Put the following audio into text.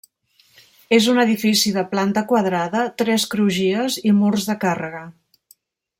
És un edifici de planta quadrada, tres crugies i murs de càrrega.